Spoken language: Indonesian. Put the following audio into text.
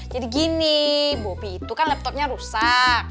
jadi gini bobby itu kan laptopnya rusak